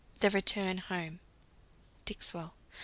THE RETURN HOME. "_Dixwell.